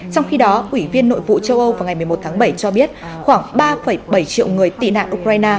trong khi đó ủy viên nội vụ châu âu vào ngày một mươi một tháng bảy cho biết khoảng ba bảy triệu người tị nạn ukraine